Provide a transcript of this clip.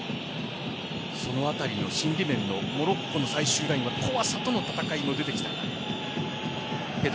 そのあたりの心理面のモロッコの最終ラインは怖さとの戦いも出てきた。